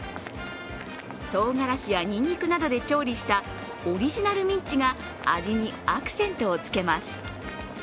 唐辛子やにんにくなどで調理したオリジナルミンチが味にアクセントをつけます。